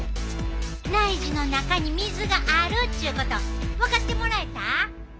内耳の中に水があるっちゅうこと分かってもらえた？